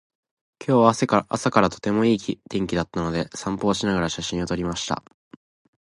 今日は朝からとてもいい天気だったので、散歩をしながら写真を撮りました。